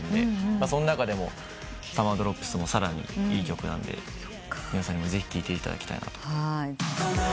その中でも『Ｓｕｍｍｅｒｄｒｏｐｓ』もさらにいい曲なんで皆さんにぜひ聴いていただきたいなと。